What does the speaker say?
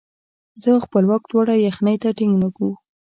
زه او خپلواک دواړه یخنۍ ته ټینګ نه وو.